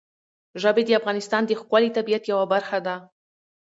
ژبې د افغانستان د ښکلي طبیعت یوه برخه ده.